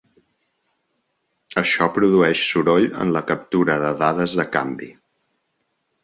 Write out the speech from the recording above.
Això produeix soroll en la captura de dades de canvi.